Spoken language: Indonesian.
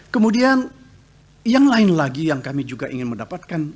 kemudian yang lain lagi yang kami juga ingin mendapatkan